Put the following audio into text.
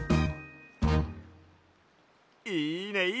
いいねいいね！